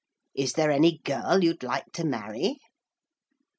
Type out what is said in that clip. Is there any girl you'd like to marry?'